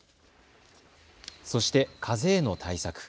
そして風への対策。